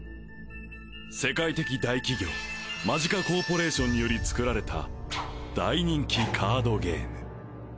世界的大企業マジカコーポレーションにより作られた大人気カードゲーム